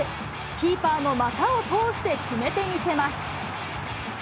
キーパーの股を通して決めてみせます。